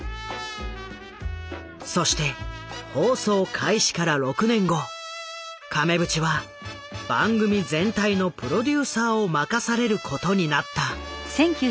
そして放送開始から６年後亀渕は番組全体のプロデューサーを任されることになった。